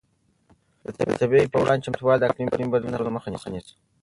د طبیعي پېښو پر وړاندې چمتووالی د اقلیمي بدلون د خطرونو مخه نیسي.